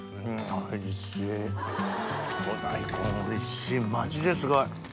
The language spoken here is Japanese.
お大根おいしいマジですごい。